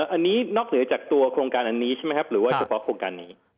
อันนี้นอกเหนือจากตัวโครงการอันนี้ใช่ไหมครับหรือว่าเฉพาะโครงการนี้